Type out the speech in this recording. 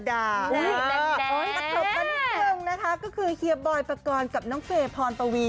โอ้ยแดดประกบตัวนิดเพิ่งนะคะก็คือเฮียบอยด์ปะกรกับน้องเฟยร์พอลตาวี